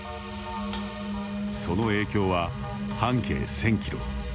その影響は、半径１０００キロ